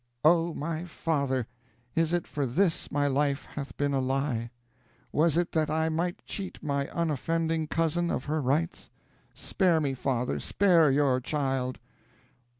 "Oh; my father, is it for this my life hath been a lie! Was it that I might cheat my unoffending cousin of her rights? Spare me, father, spare your child!"